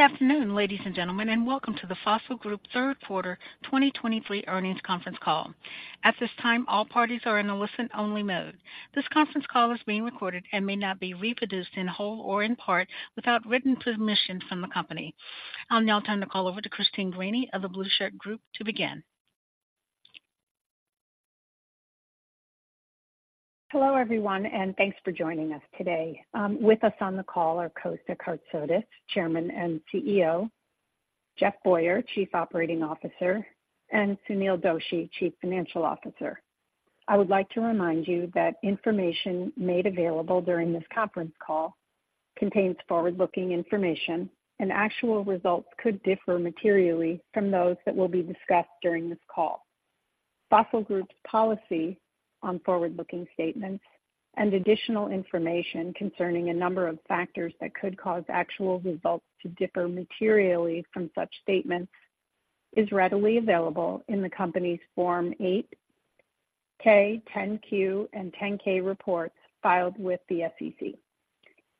Good afternoon, ladies and gentlemen, and welcome to the Fossil Group Third Quarter 2023 Earnings Conference Call. At this time, all parties are in a listen-only mode. This conference call is being recorded and may not be reproduced in whole or in part without written permission from the company. I'll now turn the call over to Christine Greany of The Blueshirt Group to begin. Hello, everyone, and thanks for joining us today. With us on the call are Kosta Kartsotis, Chairman and CEO; Jeff Boyer, Chief Operating Officer; and Sunil Doshi, Chief Financial Officer. I would like to remind you that information made available during this conference call contains forward-looking information, and actual results could differ materially from those that will be discussed during this call. Fossil Group's policy on forward-looking statements and additional information concerning a number of factors that could cause actual results to differ materially from such statements is readily available in the Company's Form 8-K, 10-Q, and 10-K reports filed with the SEC.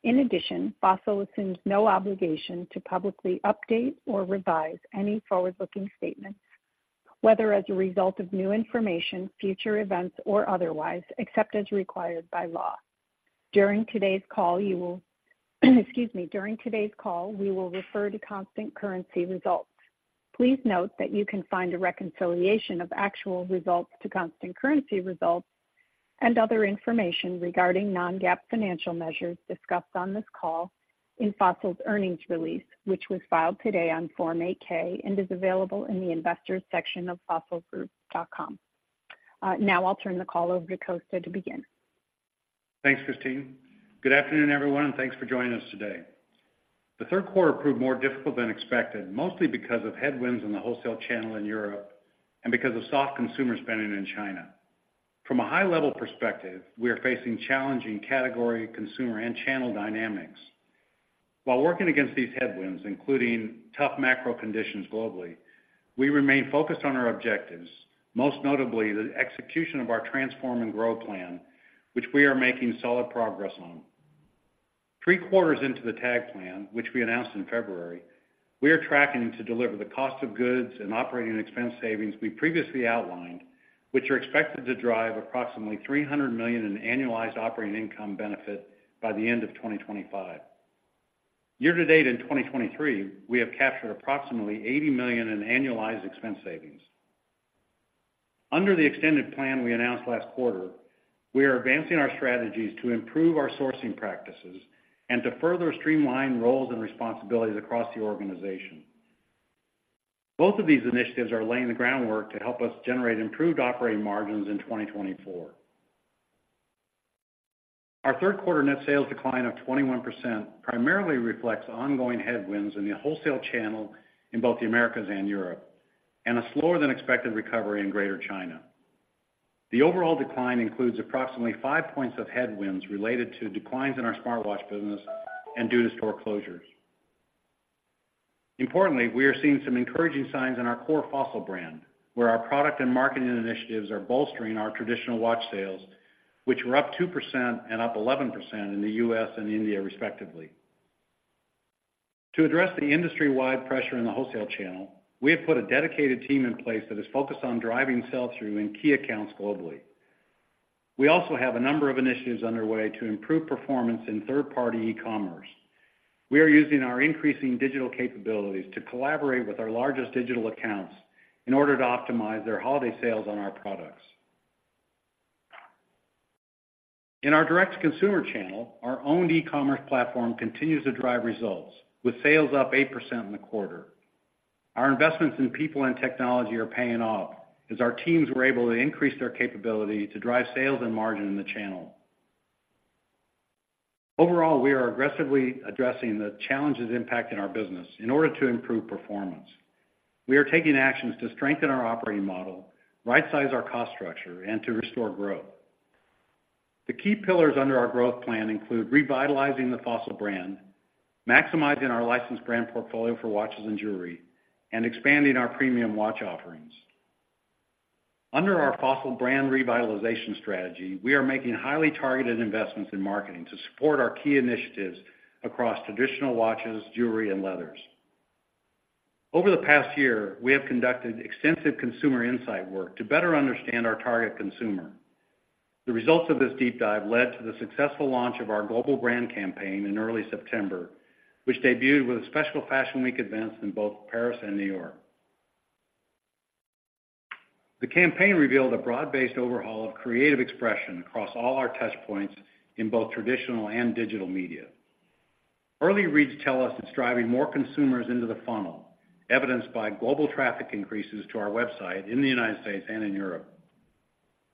In addition, Fossil assumes no obligation to publicly update or revise any forward-looking statements, whether as a result of new information, future events, or otherwise, except as required by law. During today's call, you will, excuse me. During today's call, we will refer to constant currency results. Please note that you can find a reconciliation of actual results to constant currency results and other information regarding non-GAAP financial measures discussed on this call in Fossil's earnings release, which was filed today on Form 8-K and is available in the Investors section of fossilgroup.com. Now I'll turn the call over to Kosta to begin. Thanks, Christine. Good afternoon, everyone, and thanks for joining us today. The third quarter proved more difficult than expected, mostly because of headwinds in the wholesale channel in Europe and because of soft consumer spending in China. From a high-level perspective, we are facing challenging category, consumer, and channel dynamics. While working against these headwinds, including tough macro conditions globally, we remain focused on our objectives, most notably the execution of our Transform and Grow plan, which we are making solid progress on. Three quarters into the TAG plan, which we announced in February, we are tracking to deliver the cost of goods and operating expense savings we previously outlined, which are expected to drive approximately $300 million in annualized operating income benefit by the end of 2025. Year to date in 2023, we have captured approximately $80 million in annualized expense savings. Under the extended plan we announced last quarter, we are advancing our strategies to improve our sourcing practices and to further streamline roles and responsibilities across the organization. Both of these initiatives are laying the groundwork to help us generate improved operating margins in 2024. Our third quarter net sales decline of 21% primarily reflects ongoing headwinds in the wholesale channel in both the Americas and Europe, and a slower than expected recovery in Greater China. The overall decline includes approximately 5 points of headwinds related to declines in our smartwatch business and due to store closures. Importantly, we are seeing some encouraging signs in our core Fossil brand, where our product and marketing initiatives are bolstering our traditional watch sales, which were up 2% and up 11% in the U.S. and India, respectively. To address the industry-wide pressure in the wholesale channel, we have put a dedicated team in place that is focused on driving sell-through in key accounts globally. We also have a number of initiatives underway to improve performance in third-party e-commerce. We are using our increasing digital capabilities to collaborate with our largest digital accounts in order to optimize their holiday sales on our products. In our direct-to-consumer channel, our owned e-commerce platform continues to drive results, with sales up 8% in the quarter. Our investments in people and technology are paying off as our teams were able to increase their capability to drive sales and margin in the channel. Overall, we are aggressively addressing the challenges impacting our business in order to improve performance. We are taking actions to strengthen our operating model, rightsize our cost structure, and to restore growth. The key pillars under our growth plan include revitalizing the Fossil brand, maximizing our licensed brand portfolio for watches and jewelry, and expanding our premium watch offerings. Under our Fossil brand revitalization strategy, we are making highly targeted investments in marketing to support our key initiatives across traditional watches, jewelry, and leathers. Over the past year, we have conducted extensive consumer insight work to better understand our target consumer. The results of this deep dive led to the successful launch of our global brand campaign in early September, which debuted with a special Fashion Week events in both Paris and New York. The campaign revealed a broad-based overhaul of creative expression across all our touch points in both traditional and digital media. Early reads tell us it's driving more consumers into the funnel, evidenced by global traffic increases to our website in the United States and in Europe.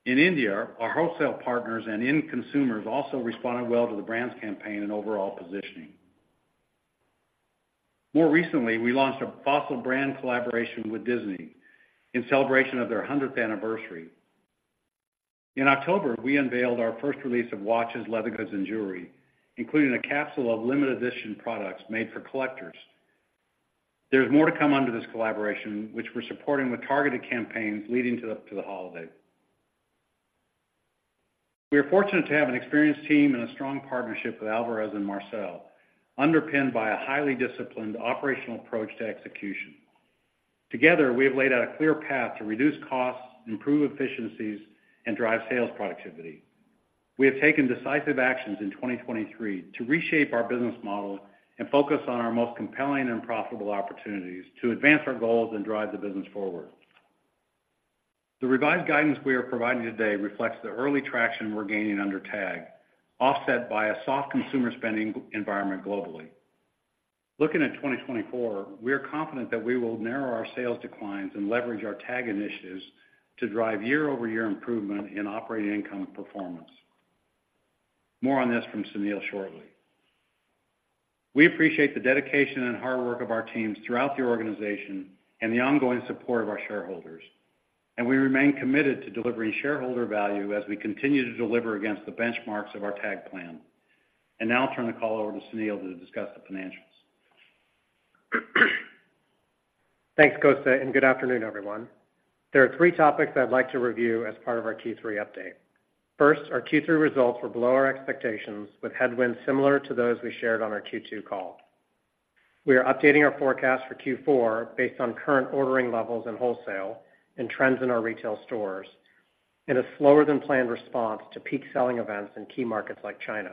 In India, our wholesale partners and end consumers also responded well to the brand's campaign and overall positioning. More recently, we launched a Fossil brand collaboration with Disney in celebration of their hundredth anniversary. In October, we unveiled our first release of watches, leather goods, and jewelry, including a capsule of limited edition products made for collectors. There's more to come under this collaboration, which we're supporting with targeted campaigns leading to the holiday. We are fortunate to have an experienced team and a strong partnership with Alvarez & Marsal, underpinned by a highly disciplined operational approach to execution. Together, we have laid out a clear path to reduce costs, improve efficiencies, and drive sales productivity. We have taken decisive actions in 2023 to reshape our business model and focus on our most compelling and profitable opportunities to advance our goals and drive the business forward. The revised guidance we are providing today reflects the early traction we're gaining under TAG, offset by a soft consumer spending environment globally. Looking at 2024, we are confident that we will narrow our sales declines and leverage our TAG initiatives to drive year-over-year improvement in operating income and performance. More on this from Sunil shortly. We appreciate the dedication and hard work of our teams throughout the organization and the ongoing support of our shareholders, and we remain committed to delivering shareholder value as we continue to deliver against the benchmarks of our TAG plan. Now I'll turn the call over to Sunil to discuss the financials. Thanks, Kosta, and good afternoon, everyone. There are three topics I'd like to review as part of our Q3 update. First, our Q3 results were below our expectations, with headwinds similar to those we shared on our Q2 call. We are updating our forecast for Q4 based on current ordering levels in wholesale and trends in our retail stores, and a slower-than-planned response to peak selling events in key markets like China.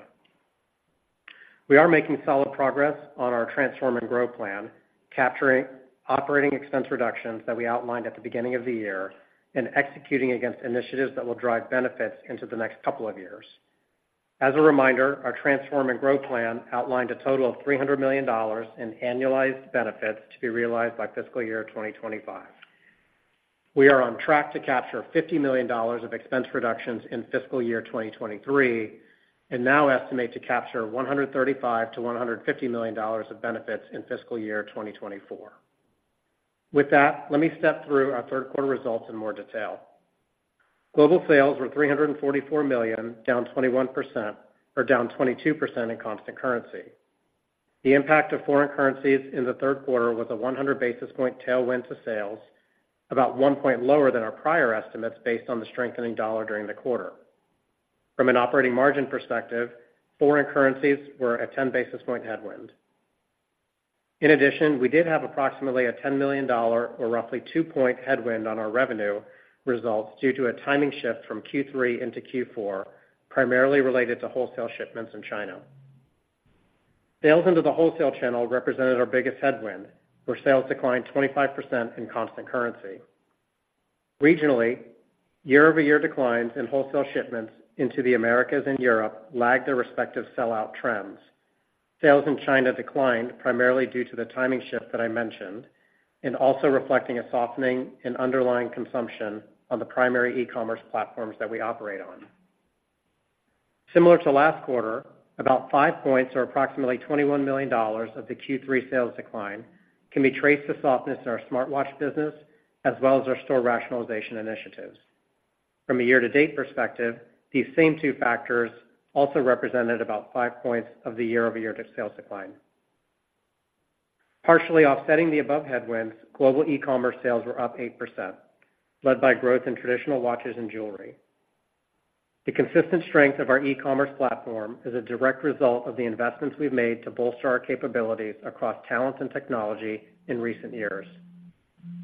We are making solid progress on our Transform and Grow plan, capturing operating expense reductions that we outlined at the beginning of the year and executing against initiatives that will drive benefits into the next couple of years. As a reminder, our Transform and Grow plan outlined a total of $300 million in annualized benefits to be realized by fiscal year 2025. We are on track to capture $50 million of expense reductions in fiscal year 2023, and now estimate to capture $135 million-$150 million of benefits in fiscal year 2024. With that, let me step through our third quarter results in more detail. Global sales were $344 million, down 21%, or down 22% in constant currency. The impact of foreign currencies in the third quarter was a 100 basis point tailwind to sales, about one point lower than our prior estimates based on the strengthening dollar during the quarter. From an operating margin perspective, foreign currencies were a 10 basis point headwind. In addition, we did have approximately $10 million, or roughly two-point headwind on our revenue results due to a timing shift from Q3 into Q4, primarily related to wholesale shipments in China. Sales into the wholesale channel represented our biggest headwind, where sales declined 25% in constant currency. Regionally, year-over-year declines in wholesale shipments into the Americas and Europe lagged their respective sell-out trends. Sales in China declined, primarily due to the timing shift that I mentioned, and also reflecting a softening in underlying consumption on the primary e-commerce platforms that we operate on. Similar to last quarter, about five points, or approximately $21 million of the Q3 sales decline, can be traced to softness in our smartwatch business, as well as our store rationalization initiatives. From a year-to-date perspective, these same two factors also represented about five points of the year-over-year sales decline. Partially offsetting the above headwinds, global e-commerce sales were up 8%, led by growth in traditional watches and jewelry. The consistent strength of our e-commerce platform is a direct result of the investments we've made to bolster our capabilities across talent and technology in recent years.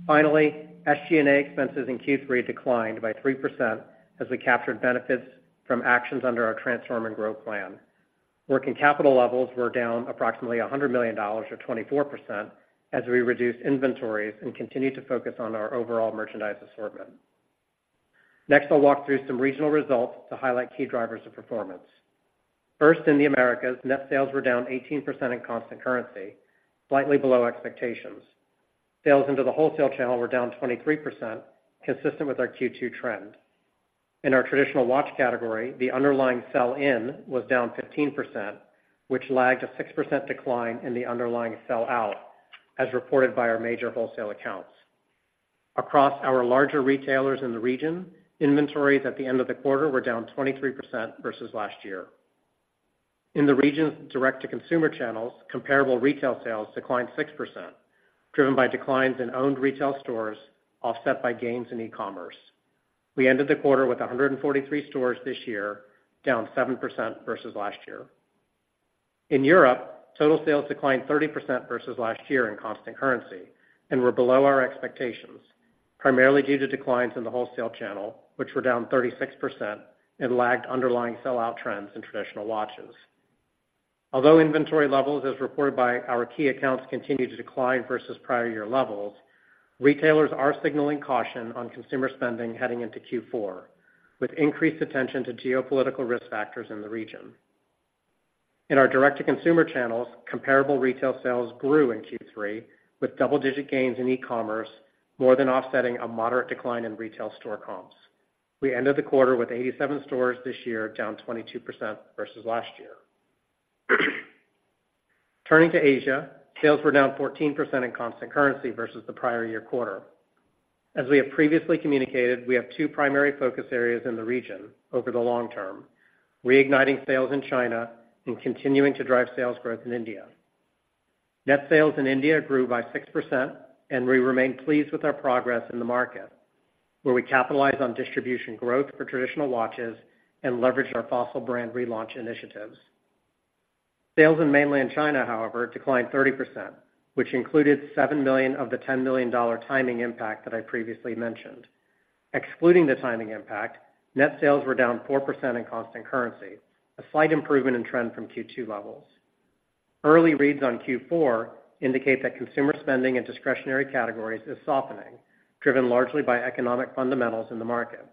Finally, SG&A expenses in Q3 declined by 3% as we captured benefits from actions under our Transform and Grow plan. Working capital levels were down approximately $100 million, or 24%, as we reduced inventories and continued to focus on our overall merchandise assortment. Next, I'll walk through some regional results to highlight key drivers of performance. First, in the Americas, net sales were down 18% in constant currency, slightly below expectations. Sales into the wholesale channel were down 23%, consistent with our Q2 trend. In our traditional watch category, the underlying sell-in was down 15%, which lagged a 6% decline in the underlying sell-out, as reported by our major wholesale accounts. Across our larger retailers in the region, inventories at the end of the quarter were down 23% versus last year. In the region's direct-to-consumer channels, comparable retail sales declined 6%, driven by declines in owned retail stores, offset by gains in e-commerce. We ended the quarter with 143 stores this year, down 7% versus last year. In Europe, total sales declined 30% versus last year in constant currency and were below our expectations, primarily due to declines in the wholesale channel, which were down 36% and lagged underlying sell-out trends in traditional watches. Although inventory levels, as reported by our key accounts, continued to decline versus prior year levels, retailers are signaling caution on consumer spending heading into Q4, with increased attention to geopolitical risk factors in the region. In our direct-to-consumer channels, comparable retail sales grew in Q3, with double-digit gains in e-commerce, more than offsetting a moderate decline in retail store comps. We ended the quarter with 87 stores this year, down 22% versus last year. Turning to Asia, sales were down 14% in constant currency versus the prior year quarter. As we have previously communicated, we have two primary focus areas in the region over the long term: reigniting sales in China and continuing to drive sales growth in India. Net sales in India grew by 6%, and we remain pleased with our progress in the market, where we capitalize on distribution growth for traditional watches and leverage our Fossil brand relaunch initiatives. Sales in mainland China, however, declined 30%, which included $7 million of the $10 million timing impact that I previously mentioned. Excluding the timing impact, net sales were down 4% in constant currency, a slight improvement in trend from Q2 levels. Early reads on Q4 indicate that consumer spending in discretionary categories is softening, driven largely by economic fundamentals in the market.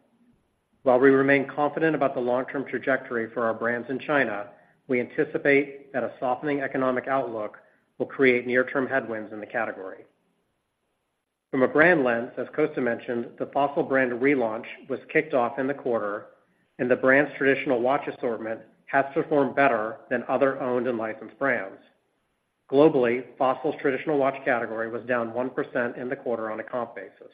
While we remain confident about the long-term trajectory for our brands in China, we anticipate that a softening economic outlook will create near-term headwinds in the category. From a brand lens, as Kosta mentioned, the Fossil brand relaunch was kicked off in the quarter, and the brand's traditional watch assortment has performed better than other owned and licensed brands. Globally, Fossil's traditional watch category was down 1% in the quarter on a comp basis.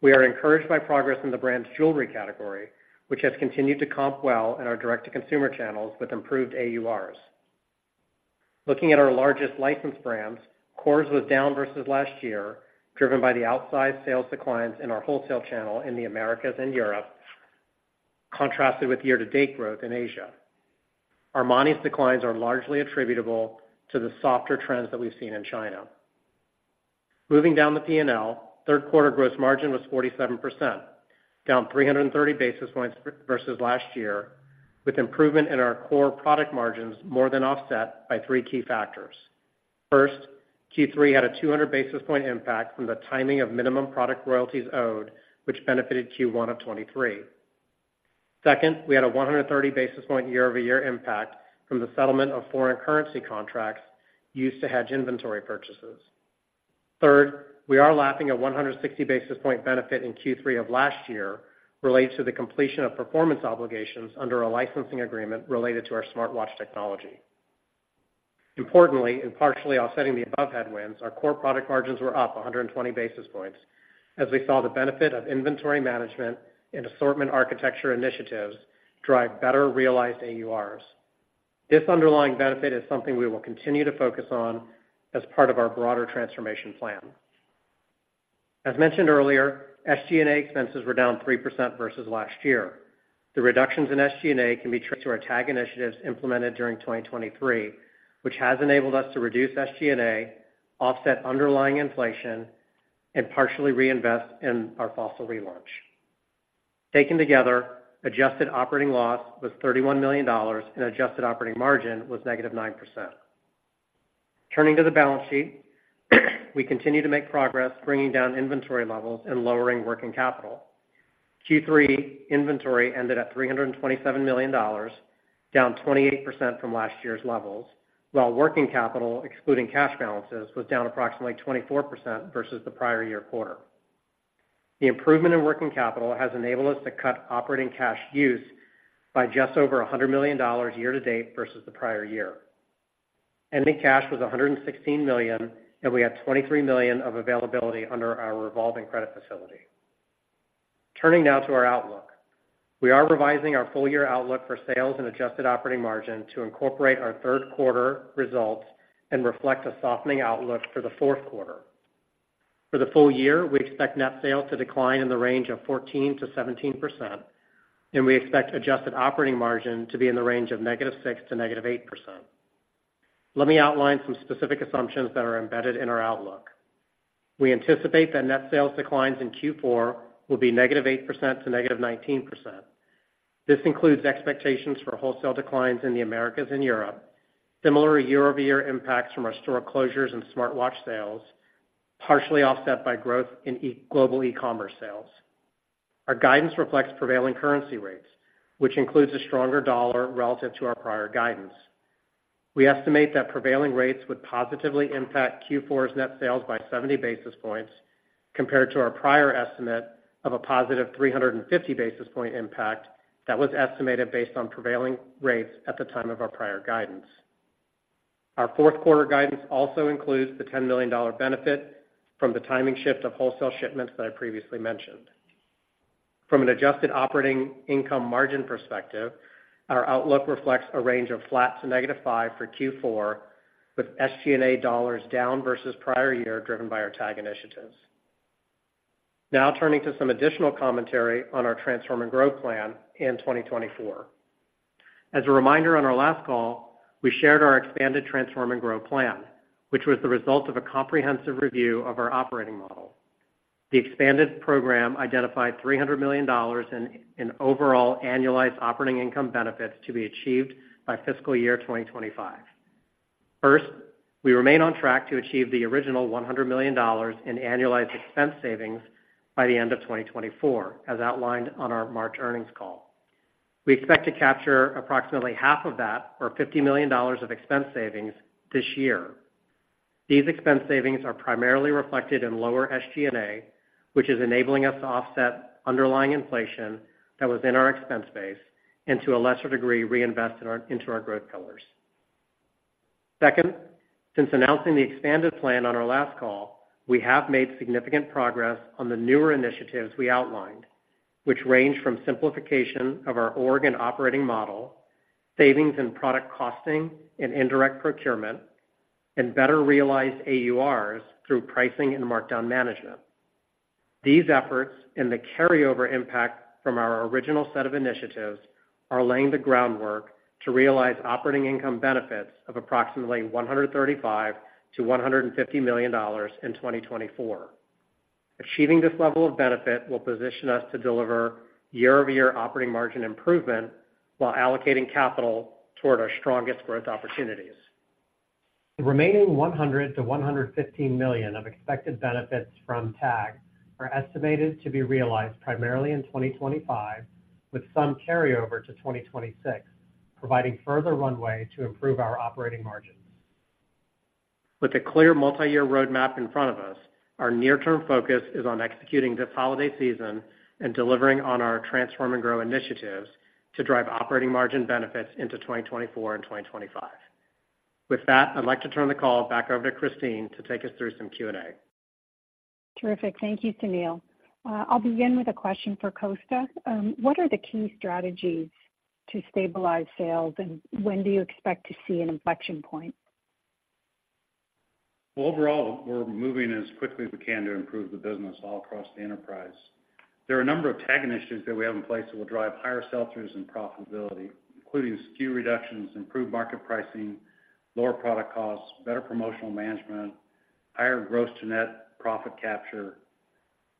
We are encouraged by progress in the brand's jewelry category, which has continued to comp well in our direct-to-consumer channels with improved AURs. Looking at our largest licensed brands, Kors was down versus last year, driven by the outsized sales declines in our wholesale channel in the Americas and Europe, contrasted with year-to-date growth in Asia. Armani's declines are largely attributable to the softer trends that we've seen in China. Moving down the P&L, third quarter gross margin was 47%, down 330 basis points versus last year, with improvement in our core product margins more than offset by three key factors. First, Q3 had a 200 basis point impact from the timing of minimum product royalties owed, which benefited Q1 of 2023. Second, we had a 130 basis point year-over-year impact from the settlement of foreign currency contracts used to hedge inventory purchases. Third, we are lapping a 160 basis point benefit in Q3 of last year related to the completion of performance obligations under a licensing agreement related to our smartwatch technology. Importantly, in partially offsetting the above headwinds, our core product margins were up 120 basis points, as we saw the benefit of inventory management and assortment architecture initiatives drive better realized AURs. This underlying benefit is something we will continue to focus on as part of our broader transformation plan. As mentioned earlier, SG&A expenses were down 3% versus last year. The reductions in SG&A can be traced to our TAG initiatives implemented during 2023, which has enabled us to reduce SG&A, offset underlying inflation, and partially reinvest in our Fossil relaunch. Taken together, adjusted operating loss was $31 million, and adjusted operating margin was -9%. Turning to the balance sheet, we continue to make progress bringing down inventory levels and lowering working capital. Q3 inventory ended at $327 million, down 28% from last year's levels, while working capital, excluding cash balances, was down approximately 24% versus the prior year quarter. The improvement in working capital has enabled us to cut operating cash use by just over $100 million year to date versus the prior year. Ending cash was $116 million, and we had $23 million of availability under our revolving credit facility. Turning now to our outlook. We are revising our full year outlook for sales and adjusted operating margin to incorporate our third quarter results and reflect a softening outlook for the fourth quarter. For the full year, we expect net sales to decline in the range of 14%-17%, and we expect adjusted operating margin to be in the range of -6% to -8%. Let me outline some specific assumptions that are embedded in our outlook. We anticipate that net sales declines in Q4 will be -8% to -19%. This includes expectations for wholesale declines in the Americas and Europe, similar year-over-year impacts from our store closures and smartwatch sales, partially offset by growth in global e-commerce sales. Our guidance reflects prevailing currency rates, which includes a stronger dollar relative to our prior guidance. We estimate that prevailing rates would positively impact Q4's net sales by 70 basis points compared to our prior estimate of a positive 350 basis point impact that was estimated based on prevailing rates at the time of our prior guidance. Our fourth quarter guidance also includes the $10 million benefit from the timing shift of wholesale shipments that I previously mentioned. From an adjusted operating income margin perspective, our outlook reflects a range of flat to -5% for Q4, with SG&A dollars down versus prior year, driven by our TAG initiatives. Now turning to some additional commentary on our Transform and Grow plan in 2024. As a reminder, on our last call, we shared our expanded Transform and Grow plan, which was the result of a comprehensive review of our operating model. The expanded program identified $300 million in overall annualized operating income benefits to be achieved by fiscal year 2025. First, we remain on track to achieve the original $100 million in annualized expense savings by the end of 2024, as outlined on our March earnings call. We expect to capture approximately half of that, or $50 million of expense savings this year. These expense savings are primarily reflected in lower SG&A, which is enabling us to offset underlying inflation that was in our expense base and, to a lesser degree, reinvest into our growth pillars. Second, since announcing the expanded plan on our last call, we have made significant progress on the newer initiatives we outlined, which range from simplification of our org and operating model, savings and product costing and indirect procurement, and better realized AURs through pricing and markdown management. These efforts and the carryover impact from our original set of initiatives are laying the groundwork to realize operating income benefits of approximately $135 million-$150 million in 2024. Achieving this level of benefit will position us to deliver year-over-year operating margin improvement while allocating capital toward our strongest growth opportunities. The remaining $100 million-$115 million of expected benefits from TAG are estimated to be realized primarily in 2025, with some carryover to 2026, providing further runway to improve our operating margins. With a clear multiyear roadmap in front of us, our near-term focus is on executing this holiday season and delivering on our Transform and Grow initiatives to drive operating margin benefits into 2024 and 2025. With that, I'd like to turn the call back over to Christine to take us through some Q&A. Terrific. Thank you, Sunil. I'll begin with a question for Kosta. What are the key strategies to stabilize sales, and when do you expect to see an inflection point? Well, overall, we're moving as quickly as we can to improve the business all across the enterprise. There are a number of tagging issues that we have in place that will drive higher sell-throughs and profitability, including SKU reductions, improved market pricing, lower product costs, better promotional management, higher gross to net profit capture.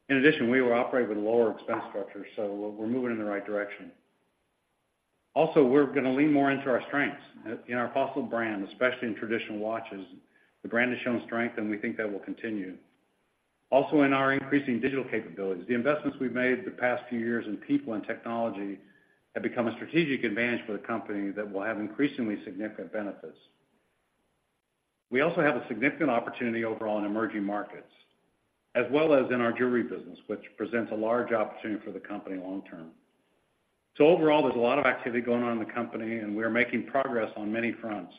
In addition, we will operate with a lower expense structure, so we're moving in the right direction. Also, we're gonna lean more into our strengths. In our Fossil brand, especially in traditional watches, the brand has shown strength, and we think that will continue. Also, in our increasing digital capabilities, the investments we've made the past few years in people and technology have become a strategic advantage for the company that will have increasingly significant benefits. We also have a significant opportunity overall in emerging markets, as well as in our jewelry business, which presents a large opportunity for the company long term. So overall, there's a lot of activity going on in the company, and we are making progress on many fronts,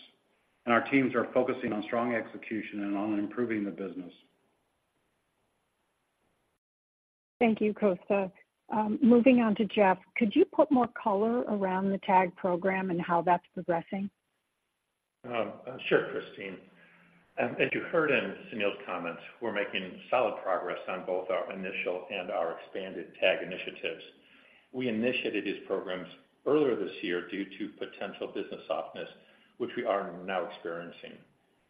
and our teams are focusing on strong execution and on improving the business. Thank you, Kosta. Moving on to Jeff, could you put more color around the TAG program and how that's progressing? Sure, Christine. As you heard in Sunil's comments, we're making solid progress on both our initial and our expanded TAG initiatives. We initiated these programs earlier this year due to potential business softness, which we are now experiencing.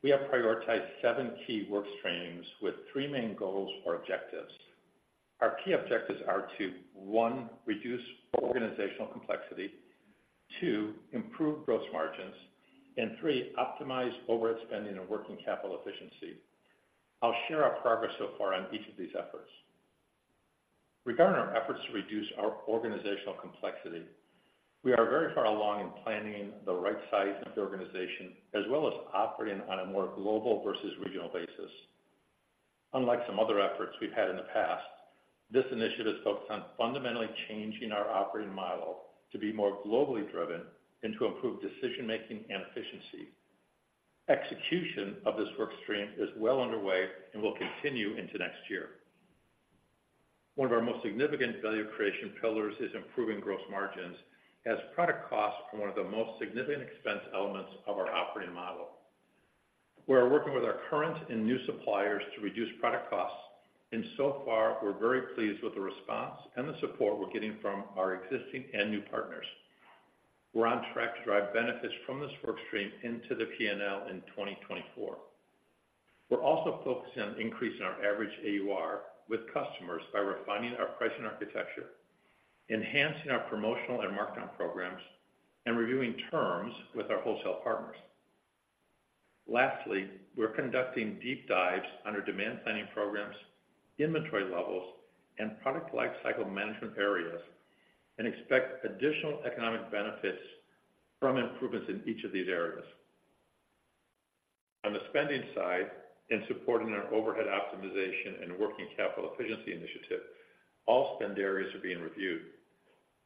We have prioritized seven key work streams with three main goals or objectives. Our key objectives are to, one, reduce organizational complexity, two, improve gross margins, and three, optimize overhead spending and working capital efficiency. I'll share our progress so far on each of these efforts. Regarding our efforts to reduce our organizational complexity, we are very far along in planning the right size of the organization, as well as operating on a more global versus regional basis. Unlike some other efforts we've had in the past, this initiative is focused on fundamentally changing our operating model to be more globally driven and to improve decision making and efficiency. Execution of this work stream is well underway and will continue into next year. One of our most significant value creation pillars is improving gross margins, as product costs are one of the most significant expense elements of our operating model. We are working with our current and new suppliers to reduce product costs, and so far, we're very pleased with the response and the support we're getting from our existing and new partners. We're on track to drive benefits from this work stream into the P&L in 2024. We're also focusing on increasing our average AUR with customers by refining our pricing architecture, enhancing our promotional and markdown programs, and reviewing terms with our wholesale partners. Lastly, we're conducting deep dives on our demand planning programs, inventory levels, and product lifecycle management areas, and expect additional economic benefits from improvements in each of these areas. On the spending side, in supporting our overhead optimization and working capital efficiency initiative, all spend areas are being reviewed,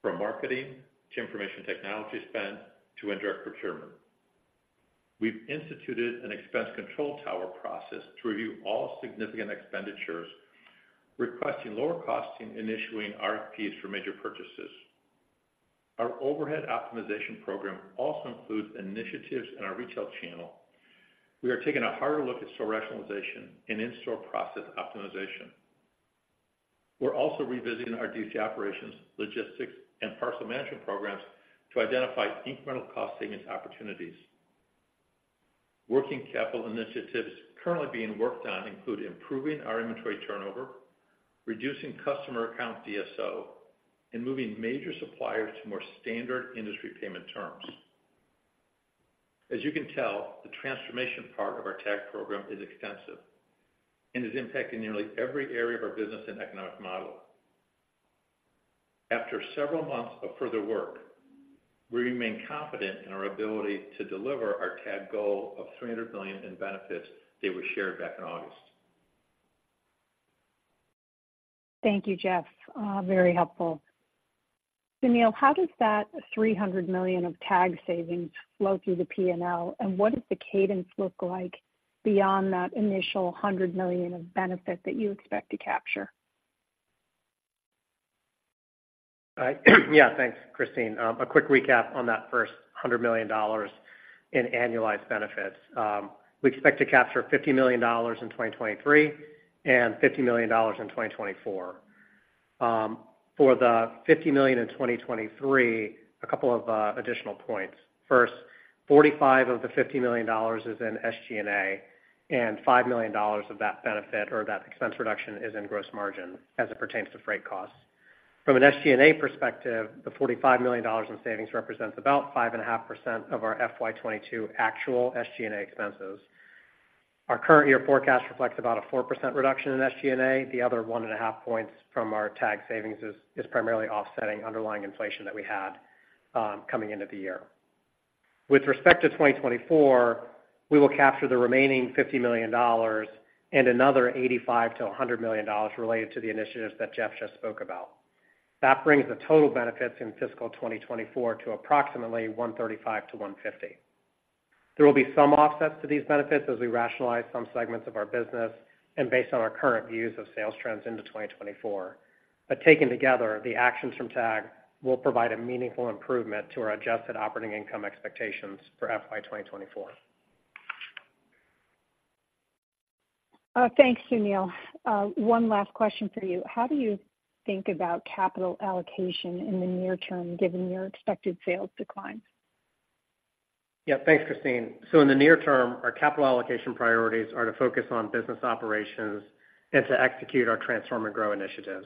from marketing to information technology spend to indirect procurement. We've instituted an expense control tower process to review all significant expenditures, requesting lower costing and issuing RFPs for major purchases. Our overhead optimization program also includes initiatives in our retail channel. We are taking a harder look at store rationalization and in-store process optimization. We're also revisiting our DC operations, logistics, and parcel management programs to identify incremental cost savings opportunities. Working capital initiatives currently being worked on include improving our inventory turnover, reducing customer account DSO, and moving major suppliers to more standard industry payment terms. As you can tell, the transformation part of our TAG program is extensive and is impacting nearly every area of our business and economic model. After several months of further work, we remain confident in our ability to deliver our TAG goal of $300 million in benefits that were shared back in August. Thank you, Jeff. Very helpful. Sunil, how does that $300 million of TAG savings flow through the PNL, and what does the cadence look like beyond that initial $100 million of benefit that you expect to capture? Yeah, thanks, Christine. A quick recap on that first $100 million in annualized benefits. We expect to capture $50 million in 2023 and $50 million in 2024. For the $50 million in 2023, a couple of additional points. First, $45 million of the $50 million is in SG&A, and $5 million of that benefit or that expense reduction is in gross margin as it pertains to freight costs. From an SG&A perspective, the $45 million in savings represents about 5.5% of our FY 2022 actual SG&A expenses. Our current year forecast reflects about a 4% reduction in SG&A. The other 1.5 points from our TAG savings is primarily offsetting underlying inflation that we had coming into the year. With respect to 2024, we will capture the remaining $50 million and another $85 million-$100 million related to the initiatives that Jeff just spoke about. That brings the total benefits in fiscal 2024 to approximately $135 million-$150 million. There will be some offsets to these benefits as we rationalize some segments of our business and based on our current views of sales trends into 2024. But taken together, the actions from TAG will provide a meaningful improvement to our adjusted operating income expectations for FY 2024. Thanks, Sunil. One last question for you. How do you think about capital allocation in the near term, given your expected sales declines? Yeah, thanks, Christine. So in the near term, our capital allocation priorities are to focus on business operations and to execute our Transform and Grow initiatives.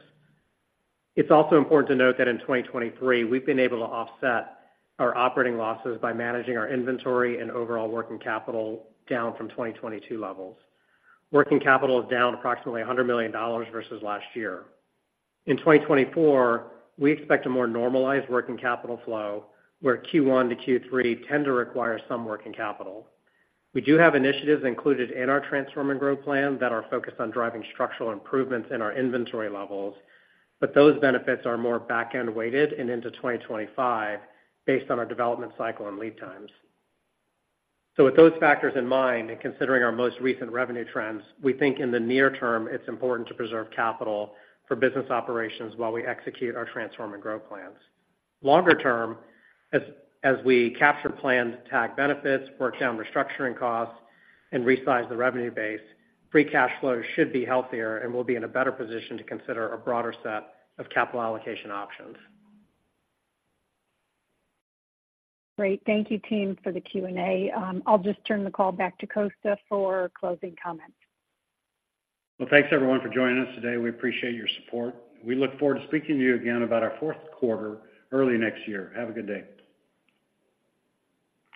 It's also important to note that in 2023, we've been able to offset our operating losses by managing our inventory and overall working capital down from 2022 levels. Working capital is down approximately $100 million versus last year. In 2024, we expect a more normalized working capital flow, where Q1 to Q3 tend to require some working capital. We do have initiatives included in our Transform and Grow plan that are focused on driving structural improvements in our inventory levels, but those benefits are more back-end weighted and into 2025 based on our development cycle and lead times. With those factors in mind and considering our most recent revenue trends, we think in the near term, it's important to preserve capital for business operations while we execute our Transform and Grow plans. Longer term, as we capture planned TAG benefits, work down restructuring costs, and resize the revenue base, free cash flows should be healthier, and we'll be in a better position to consider a broader set of capital allocation options. Great. Thank you, team, for the Q&A. I'll just turn the call back to Kosta for closing comments. Well, thanks everyone for joining us today. We appreciate your support. We look forward to speaking to you again about our fourth quarter early next year. Have a good day.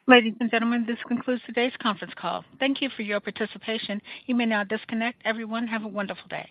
Ladies and gentlemen, this concludes today's conference call. Thank you for your participation. You may now disconnect. Everyone, have a wonderful day.